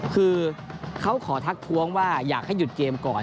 คือเขาขอทักท้วงว่าอยากให้หยุดเกมก่อน